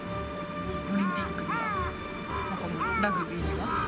オリンピックには、ラグビーには。